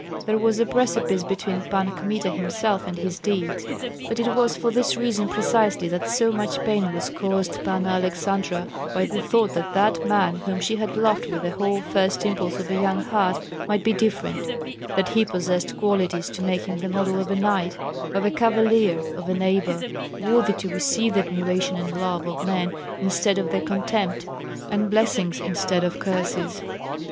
There was a precipice between Pan Kmita himself and his deeds. But it was for this reason precisely that so much pain was caused Panna Aleksandra by the thought that that man whom she had loved with the whole first impulse of a young heart might be different, that he possessed qualities to make him the model of a knight, of a cavalier, of a neighbor, worthy to receive the admiration and love of men instead of their contempt, and blessings instead of curses.